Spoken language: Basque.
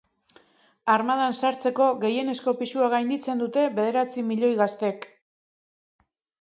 Armadan sartzeko gehienezko pisua gainditzen dute bederatzi milioi gaztek.